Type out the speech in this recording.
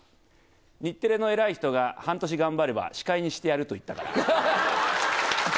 日テレの偉い人が半年頑張れば、司会にしてやると言ったから。